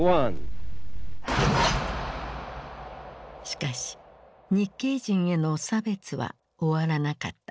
しかし日系人への差別は終わらなかった。